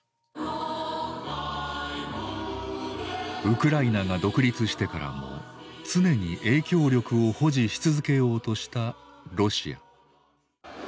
ウクライナが独立してからも常に影響力を保持し続けようとしたロシア。